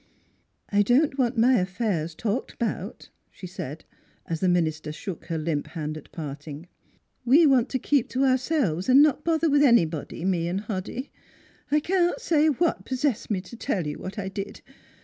" I don't want my affairs talked about," she said, as the minister shook her limp hand at part ing. " We want to keep to ourselves and not bother with anybody, me and Hoddy. I can't say what possessed me to tell you what I did.